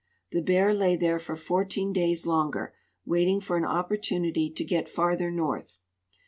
The Bear lay there for 14 days longer, waiting for an opportunity to get farther north.